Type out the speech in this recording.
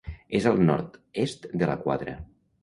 És al nord-est de la Quadra.